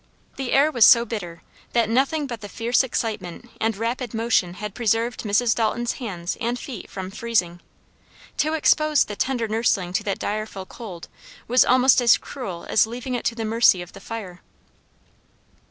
The air was so bitter that nothing but the fierce excitement and rapid motion had preserved Mrs. Dalton's hands and feet from freezing. To expose the tender nursling to that direful cold was almost as cruel as leaving it to the mercy of the fire.